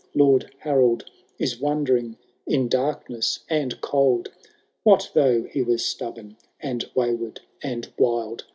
Lord Harold is wandering in darkness and cold ! What though he was stubborn, and wayward and wild.